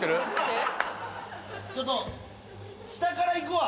ちょっと下から行くわ。